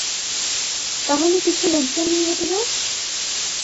তাহলে কিছু লোক জন নিয়ে হেটে যাও।